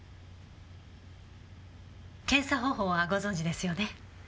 検査方法はご存じですよね。